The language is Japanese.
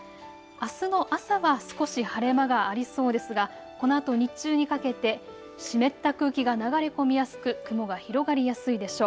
あすも朝は少し晴れ間がありそうですがこのあと日中にかけて湿った空気が流れ込みやすく雲が広がりやすいでしょう。